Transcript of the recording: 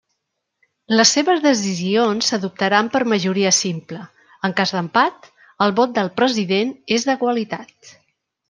Les seves decisions s'adoptaran per majoria simple, en cas d'empat el vot del President és de qualitat.